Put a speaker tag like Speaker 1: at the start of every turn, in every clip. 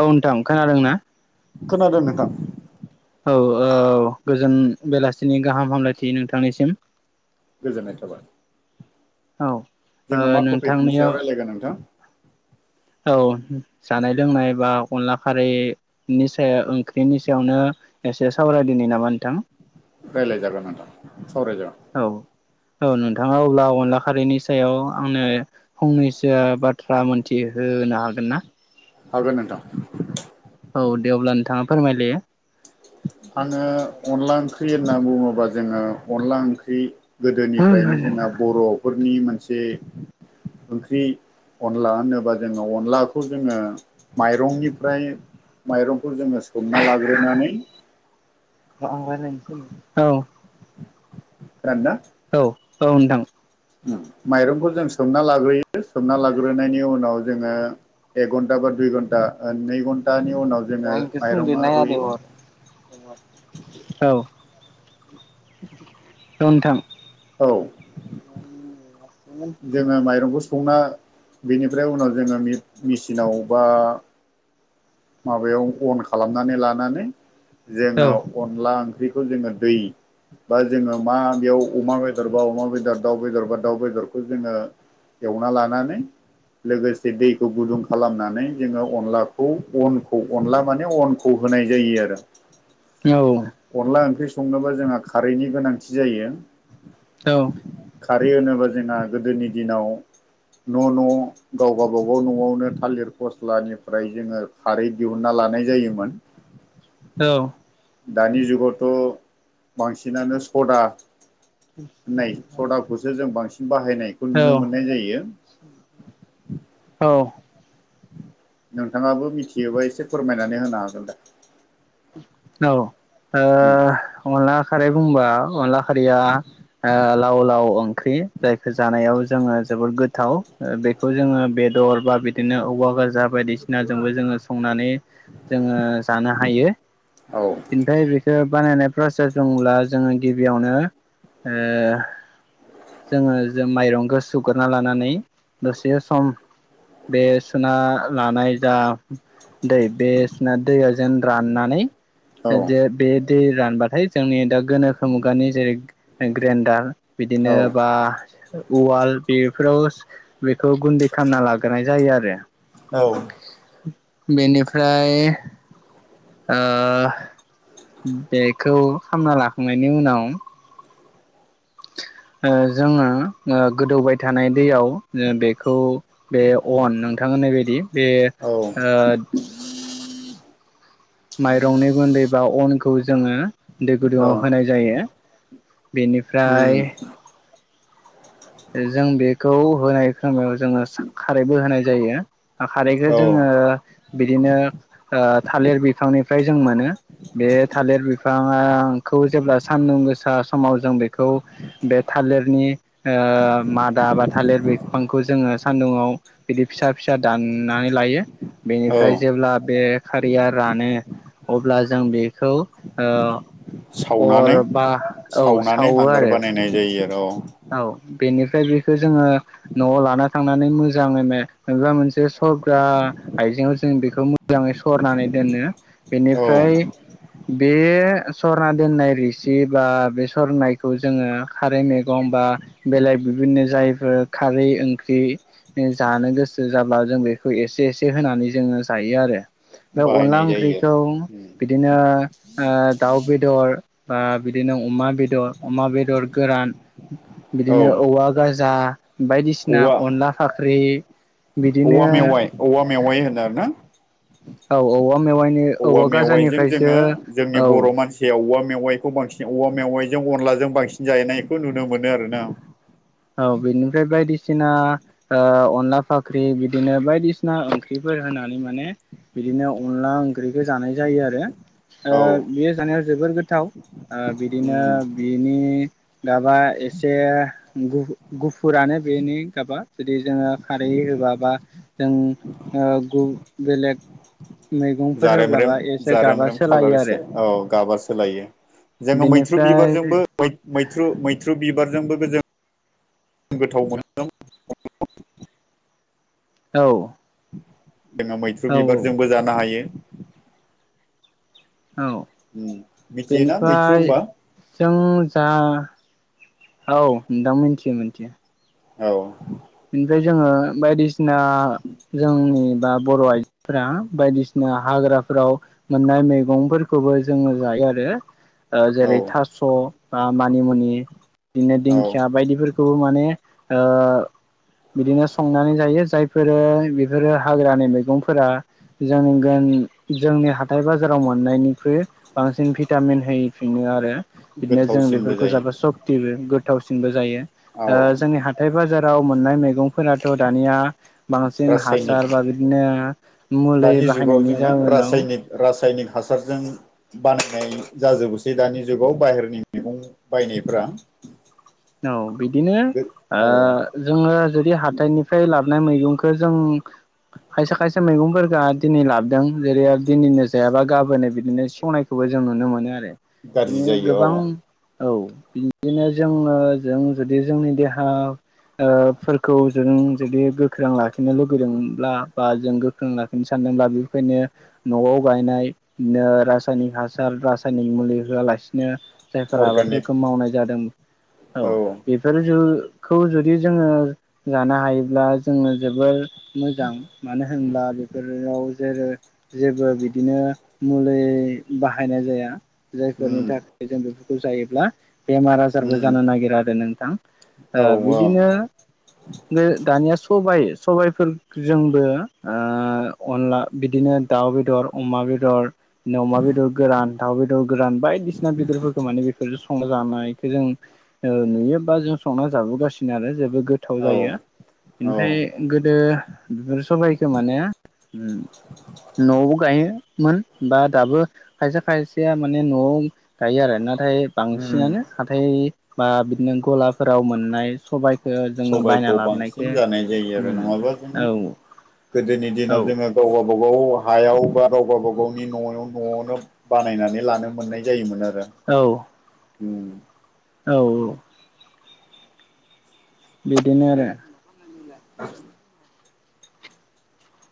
Speaker 1: औ नोंथां खोनादों ना?
Speaker 2: खोनादों नोंथां
Speaker 1: औ औ गोजोन बेलासिनि गाहाम हामलायथि नोंथांनिसिम
Speaker 2: गोजोननाय थाबाय
Speaker 1: औ ओ
Speaker 2: जोङो मा टपिकनि
Speaker 1: नोंथांनियाव
Speaker 2: सायाव रायज्लायगोन नोंथां?
Speaker 1: औ जानाय लोंनाय बा अनला खारैनि सायाव ओंख्रिनि सायावनो एसे सावरायदिनि नामा नोंथां?
Speaker 2: रायलाय जागोन नोंथां सावरायजागोन
Speaker 1: औ औ नोंथाङा अब्ला अनला खारैनि सायाव आंनो फंनैसो बाथ्रा मोनथिहोनो हागोन ना?
Speaker 2: हागोन नोंथां
Speaker 1: औ दे अब्ला नोंथाङा फोरमायदो
Speaker 2: आङो अनला ओंख्रि होनना बुङोबा जोङो अनला ओंख्रि गोदोनिफ्रायनो जोंहा बर'फोरनि मोनसे ओंख्रि अनला होनोबा जोङो अनलाखौ जोङो माइरंनिफ्राय माइरं खौ जोङो सोमना लाग्रोनानै
Speaker 1: औ
Speaker 2: खोनादोंना?
Speaker 1: औ औ नोंथां
Speaker 2: माइरंखौ जों सोमना लाग्रोयो सोमना लाग्रोनायनि उनाव जोङो एक घन्टा बा दुइ घन्टा ओ नै घन्टानि उनाव जोङो माइरङा रुयो
Speaker 1: औ औ नोंथां
Speaker 2: औ जोङो माइरंखौ सु खांना बेनिफ्राय उनाव जोङो मेसिनाव बा माबायाव अन खालामनानै लानानै
Speaker 1: औ
Speaker 2: जोङो अनला ओंख्रि बेखौ जोङो दै बा जोङो मा बेयाव अमा बेदर बा अमा बेदर दाउ बेदर बा दाउ बेदरखौ जोङो एवना लानानै लोगोसे दैखौ गुदुं खालामनानै जोङो अनलाखौ अनखौ अनला माने अनखौ होनाय जायो आरो
Speaker 1: औ
Speaker 2: अनला ओंख्रि संनोबा जोंहा खारैनि गोनांथि जायो
Speaker 1: औ
Speaker 2: खारै होनोबा जोंहा गोदोनि दिनाव न' न' गावबा गावबाव न'आवनो थालिर फस्लानिफ्राय जोङो खारै दिहुनना लानाय जायोमोन दानि जुगावथ' बांसिनानो सदा नै सदाखौसो जों बांसिन बाहायनायखौ
Speaker 1: औ
Speaker 2: नुनो मोननाय जायो
Speaker 1: औ
Speaker 2: नोंथाङाबो मिथियोबा एसे फोरमायनानै होनो हागोन दे
Speaker 1: औ ओ अनला खारै बुंबा अनला खारिया ओ लावलाव ओंख्रि जायखौ जानायाव जोङो जोबोद गोथाव ओ बेखौ जोङो बेदर बा बिदिनो औवा गाजा बायदिसिनाजोंबो जोङो संनानै जोङो जानो हायो
Speaker 2: औ
Speaker 1: बेनिफ्राय बेखौ बानायनाय प्रसेस दंब्ला जोङो गिबियावनो ओ जोङो जों माइरंखौ सुग्रोना लानानै दसे सम बे सुना लानाय जा दै बे सुनाय दैया जेन राननानै जे बे दै रानबाथाय जोंनि दा गोनोखो मुगानि जेरै ग्रेन्डार बिदिनो बा उवाल बेफोराव बेखौ गुन्दै खालामना लाग्रोनाय जायो आरो
Speaker 2: औ
Speaker 1: बेनिफ्राय ओ बेखौ खामना लाखांनायनि उनाव ओ जोङो ओ गोदौबाय थानाय दैयाव बेखौ बे अन नोंथां होननाय बायदि बे
Speaker 2: औ
Speaker 1: ओ माइरंनि गुन्दै बा अनखौ जोङो दै
Speaker 2: औ
Speaker 1: गुदुंआव होनाय जायो
Speaker 2: उम
Speaker 1: बेनिफ्राय जों बेखौ होनाय खोमायाव जोङो सा खारैबो होनाय जायो खारैखौ
Speaker 2: औ
Speaker 1: जोङो बिदिनो ओ थालिर बिफांनिफ्राय जों मोनो बे थालिर बिफाङाखौ जेब्ला सानदुं गोसा समाव जों बेखौ बे था थालिरनि ओ मादा बा थालिर बिफांखौ जोङो सान्दुंआव बिदि फिसा फिसा दाननानै लायो
Speaker 2: औ
Speaker 1: बेनिफ्राय जेब्ला बे खारैया रानो अब्ला जों बेखौ ओ
Speaker 2: सावनानै
Speaker 1: अर बा औ
Speaker 2: सावनानै
Speaker 1: सावो
Speaker 2: हांगार
Speaker 1: आरो
Speaker 2: बानायनाय जायो आरो
Speaker 1: औ बेनिफ्राय बेखौ जोङो न'आव लाना थांनानै मोजाङै मे माबा मोनसे सरग्रा आइजेंआव जों बेखौ मोजाङै सरनानै दोनो बेनिफ्राय
Speaker 2: औ
Speaker 1: बे सरना दोननाय रोसि बा बे सरनायखौ जोङो खारै मेग [unintelligible] बेलेग सिबिनो जायफोर खारै ओंख्रि जानो गोसो जाब्ला जों बेखौ एसे एसे होनानै जोङो जायो आरो बे अनला
Speaker 2: बाहायनाय जायो
Speaker 1: ओंख्रिखौ
Speaker 2: आरो
Speaker 1: बिदिनो ओ दाउ बेदर बा बिदिनो अमा बेदर अमा बेदर गोरान
Speaker 2: औ
Speaker 1: बिदिनो औवा गाजा बायदिसिना
Speaker 2: औवा
Speaker 1: अनला फाख्रि बिदिनो
Speaker 2: औवा मेवाइ औवा मेवाइ होनो आरो ना
Speaker 1: औ औवा मेवाइनि
Speaker 2: औवा मेवाइजों
Speaker 1: गाजानिफ्रायसो
Speaker 2: जोङो जोंनि
Speaker 1: औ
Speaker 2: बर' मानसिया औवा मेवाइखौ बांसिन औवा मेवाइजों अनलाजों बांसिन जानायखौ नुनो मोनो आरोना
Speaker 1: औ बेनिफ्राय बायदिसिना ओ अनला फाख्रि बिदिनो बायदिसिना ओंख्रिफोर होना माने बिदिनो अनला ओंख्रिखौ जानाय जायो आरो ओ
Speaker 2: औ
Speaker 1: बेयो जानायाव जोबोर गोथाव ओ बिदिनो
Speaker 2: उम
Speaker 1: बिनि गाबा एसे गुफुरानो बेनि गाबा जुदि जोङो खारै होबा बा जों ओ गु बेलेग मैगंफोर
Speaker 2: जारेमरेम
Speaker 1: होब्लाबा एसे गाबा
Speaker 2: जारेमरेम खालार
Speaker 1: सोलायो आरो
Speaker 2: एसे औ गाबा सोलायो जोङो मैथ्रु
Speaker 1: बेनिफ्राय
Speaker 2: बिबारजोंबो मै मैथ्रु मैथ्रु थ्रु बिबारजोंबो जों गोथाव मोनदों [unintelligible]
Speaker 1: औ
Speaker 2: जोङो मैथ्रु
Speaker 1: औ
Speaker 2: बिबारजोंबो जानो हायो
Speaker 1: औ
Speaker 2: उम मिथियोना मैथ्रु
Speaker 1: बेनिफ्राय
Speaker 2: होनबा
Speaker 1: जों जा औ नोंथां मोनथियो मिथिया
Speaker 2: औ
Speaker 1: बेनिफ्राय जोङो बायदिसिना जोंनि बा बर' आइजोफोरा बायदिसिना हाग्राफोराव मोननाय मैगंफोरखौबो जोङो जायो आरो
Speaker 2: औ
Speaker 1: जेरै थास' मानिमुनि बिदिनो
Speaker 2: औ
Speaker 1: दिंखिया बायदिफोरखौबो माने ओ बिदिनो संनानै जायो जायफोरो बेफोरो हाग्रानि मैगंफोरा जों गान जोंनि हा हाथाय बाजाराव मोननायनिख्रुइ बांसिन भिटामिन होफिनो आरो बिदिनो जों
Speaker 2: गोथावसिनबो
Speaker 1: बेफोरखौ जाबाय
Speaker 2: जायो
Speaker 1: सक्तिबो गोथावसिनबो जायो
Speaker 2: औ
Speaker 1: जोंनि हाथाय बाजाराव मोननाय मैगं फोराथ' दानिया बांसिन
Speaker 2: रासायनिक
Speaker 1: हासार बा बिदिनो मुलि
Speaker 2: दानि जुगाव
Speaker 1: बाहायनायनि
Speaker 2: जोङो
Speaker 1: जउोन
Speaker 2: रासायनिक रासायनिक हासारजों बानायनाय जाजोबोसै दानि जुगाव बाहेरनि मैगं बायनायफ्रा
Speaker 1: औ बिदिनो
Speaker 2: औ
Speaker 1: ओ जोङो जुदि हाथाइनिफ्राय लाबोनाय मैगंखौ जों खायसे खायसे मैगंफोरखौ दिनै लाबोदों जेरै दिनैनो जायाबा गाबोननो बिदिनो सेवनायखौबो जों नुनो मोनो आरो बिदि
Speaker 2: गाज्रि जायो
Speaker 1: गोबां
Speaker 2: औ
Speaker 1: औ ओ जों जुदि जोंनि देहा ओ फोरखौ जों जुदि गोख्रों लाखिनो लुुबैदोंब्ला बा जों गोख्रों लाखिनो सान [unintelligible] बेखायनो न'आव गायनायनो रायनिक हासार रासायनिक मुलि होआलासेनो [unintelligible] जायफोर
Speaker 2: अर्गानिक
Speaker 1: आबादफोरखौ मावनाय जादों औ बेफोर खौ जुदि जोङो जानो हायोब्ला जोङो जोबोर मोजां मानो होनोब्ला होनब्ला बेफोराव जेरै जेबो बिदिनो मुलि बाहायनाय जाया जायफोरनि
Speaker 2: उम
Speaker 1: थाखाय जों बेफोरखौ जायोब्ला बेमार आजारबो
Speaker 2: उम
Speaker 1: जानो नागिरा आरो नोंथां
Speaker 2: औ
Speaker 1: बिदिनो बे दानिया सबाइ सबायफोरजोंबो अनला बिदिनो दाउ बेदर अमा बेदर अमा बेदर गोरान दाउ बेदर गोरान बायदिसिना बेदरफोरखौ माने बेफोर संना जानायखौ जों नुयो बा जों संना जाबोगासिनो आरो जेबो गोथाव
Speaker 2: औ
Speaker 1: जायो
Speaker 2: औ
Speaker 1: ओमफ्राय ओ सबाइखो माने न'आवबो गायोमोन बा दाबो खायसे खायसेया माने न'आव गायो आरो नाथाय
Speaker 2: उम
Speaker 1: बांसिनानो हाथाय बा बिदिनो गलाफोराव मोननाय सबाय
Speaker 2: सबायखौ बांसिन जानाय जायो
Speaker 1: उम
Speaker 2: आरो नङाब्ला जोङो
Speaker 1: औ
Speaker 2: गोदोनि
Speaker 1: औ
Speaker 2: दिनाव जोङो गाव गाव गावबागाव हायाव बा गाव गावबागावनि न'आव न'आवनो बानायनानै लानो मोननाय जायोमोन आरो
Speaker 1: औ
Speaker 2: उम
Speaker 1: औ औ बिदिनो आरो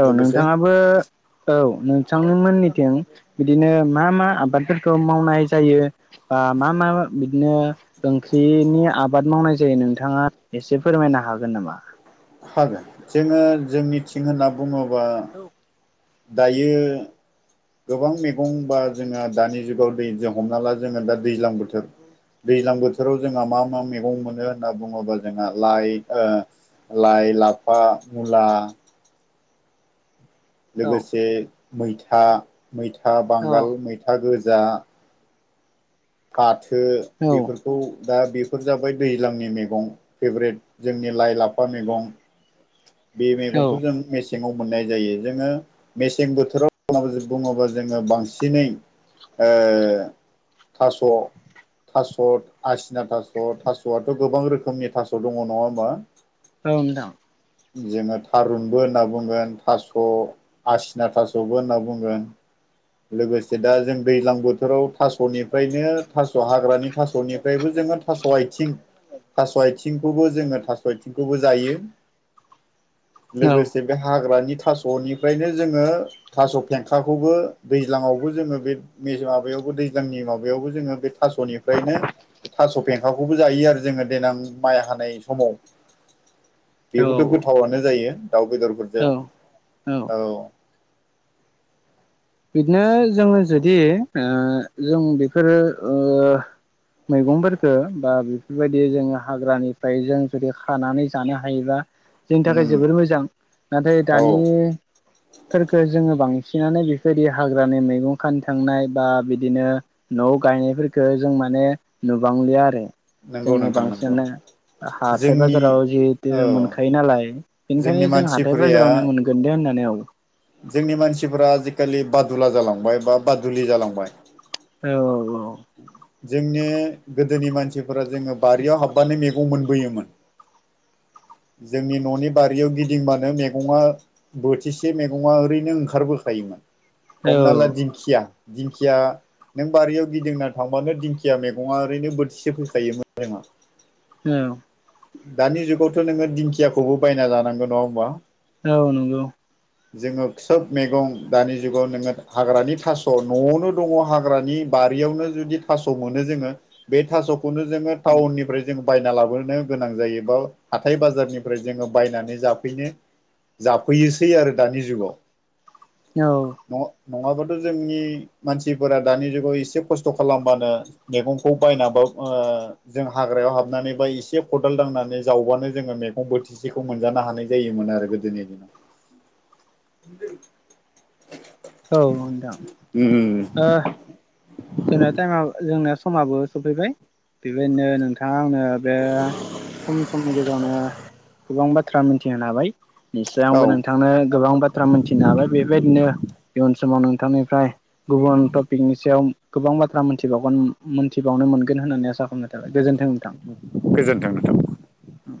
Speaker 1: औ
Speaker 2: लोगोसे
Speaker 1: नोंथाङाबो औ नोंथांनिमोननिथिं बिदिनो मा मा आबादफोरखौ मावनाय जायो मा मा बिदिनो ओंख्रिनि आबाद मावनाय जायो नोंथाङा एसे फोरमायना नो हागोन नामा?
Speaker 2: हागोन जोङो जोंनिथिं होनना बुङोबा दायो गोबां मैगंबा जोङो दानि जुगाव दै जों हमना ला जोङो दा दैज्लां बोथोर दैज्लां बोथोराव जोंहा मा मा मैगं मोनो होनना बुङोबा जोंहा लाइ लाइ लाफा मुला
Speaker 1: औ
Speaker 2: लोगोसे मैथा मैथा
Speaker 1: औ
Speaker 2: बांगाल मैथा गोजा फाथो
Speaker 1: औ
Speaker 2: बेफोरखौ दा बे बेफोर जाबाय दैज्लांनि मैगं फेभ्रेट जोंनि लाइ लाफा मैगं बे
Speaker 1: औ
Speaker 2: मेगंखौ जों मेस सेङाव मोननाय जायो जोङो मेसें बोथोराव बुङोबा जोङो बांसिनै ओ थास' थास' आसिना थास' थास'आथ' गोबां रोखोमनि थास' दङ नङा हबा
Speaker 1: औ दां
Speaker 2: जोङो थारुनबो होनना बुंगोन थास' आसिना थास'बो होनना बुंगोन लोगोसे दा जों दैज्लां बोथोराव थास'निफ्रायनो थास' हाग्रानि थास'निफ्रायबो जोङो थास' आथिं थास' आथिंखौबो जोङो थास' आथिं खौ जायो
Speaker 1: औ
Speaker 2: लोगोसे बे हाग्रानि थास'निफ्रायनो जोङो थास' फेंखाखौबो दैज्लांआवबो जोङो बे माबायावबो दैज्लांनि माबायावबो जोङो बे थास'निफ्रायनो थास' फेंखाखौबो जायो आरो जोङो देनां माइ हानाय समाव।
Speaker 1: औ
Speaker 2: बेबोथ' गोथावनो जायो दाउ
Speaker 1: औ
Speaker 2: बेदरफोरजों, औ।
Speaker 1: बिदिनो जोङो जुदि ओ जों बेफोरो ओ मैगंफोरफोरखो बा बेफोरबायदि जोङो हाग्रानिफ्राय जों जुदि खानानै जानो हायोबा जोंनि थाखाय
Speaker 2: उम
Speaker 1: जोबोर मोजां। नाथाय
Speaker 2: औ
Speaker 1: दानिखो जोङो बां सिनानै बे सोरदि हाग्रानि मैगं खान थांनाय बा बिदिनो न'आव गायनायफोरफोरखौो जों माने नुबांलिया आरो।
Speaker 2: नंगौ
Speaker 1: जोङो
Speaker 2: नोंथां नंगौ
Speaker 1: बांसिनानो हाथाय
Speaker 2: जोंनि
Speaker 1: बाजाराव जिहेथु
Speaker 2: औ
Speaker 1: मोनखायो नालाय
Speaker 2: जोंनि
Speaker 1: बेनिखायनो जों हाथथाय
Speaker 2: मानसिफोरया
Speaker 1: बाजारावनो मोनगोन दे होननानै आ
Speaker 2: जोंनि मानसिफोरा आजिखालि बादुला जालांबाय बा बादुलि जालांबाय।
Speaker 1: औ औ
Speaker 2: जोंनि गोदोनि मानसिफोरा जोङो बारियाव हाबबानो मैगं मोनबोयोमोन। जोंनि न'नि बारियाव गिदिंबानो मैगङा बोथिसे मैगङा ओरैनो ओंखारबोखायोमोन।
Speaker 1: औ
Speaker 2: हमना ला दिंखिया, दिंखिया नों बारियाव गिदिंना थांबानो दिंखिया मैगङा ओरैनो बोथिसे फैखायोमोन जोङा।
Speaker 1: औ
Speaker 2: दानि जुगावथ' नोङो दिंखियाखौबो बायना जानांगौ नङा होमबा?
Speaker 1: औ नंगौ।
Speaker 2: जोङो सोब मैगं दानि जुगाव नोङो हाग्रानि थास' न'आवनो दङ हाग्रानि बारियावनो जुदि थास' मोनो जोङो बे थास'खौनो जोङो टाउननिफ्राय जो बायना लाबोनो गोनां जायोबा हाथाय बाजारनिफ्राय जोङो बायनानै जाफैनो जाफैयोसै आरो दानि जुगाव
Speaker 1: औ
Speaker 2: नङाबाथ' जोंनि मानसिफोरा दानि जुगाव एसे खस्थ' खालामबानो मैगंखौ बायनाबा ओ जों हाग्रायाव हाबनानै बा एसे खदाल दांनानै जावबानो जोङो मैगं बोथिसेखौ मोनजानो हानाय जायोमोन आरो गोदोनि
Speaker 1: औ नोंथां।
Speaker 2: उम
Speaker 1: ओ जोंना टाइमा जोंनि समाबो सफैबाय बेबायदिनो नोंथां आंनो बे खम समनि गेजेरावनो गोबां बाथ्रा मिथिहोनो हाबाय निस्सय आंबो
Speaker 2: औ
Speaker 1: नोंथांनो गोबां बाथ्रा मोनथिनो हाबाय बेबायदिनो इयुन समाव नोंथांनिफ्राय गुबुन टपिकनि सायाव गोबां बाथ्रा मोनथिबावगोन मोनथिबावनो मोनगोन होननानै आसा गोजोनथों नोंथां।
Speaker 2: गोजोन्थों नोंथां
Speaker 1: [inaudible] उम